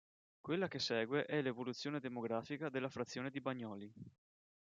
Quella che segue è l'evoluzione demografica della frazione di Bagnoli.